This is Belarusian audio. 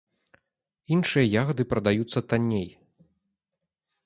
Іншыя ягады прадаюцца танней.